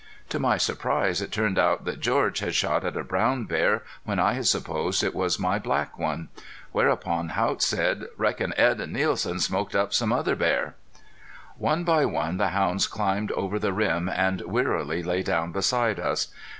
To my surprise it turned out that George had shot at a brown bear when I had supposed it was my black one. Whereupon Haught said: "Reckon Edd an' Nielsen smoked up some other bear." One by one the hounds climbed over the rim and wearily lay down beside us.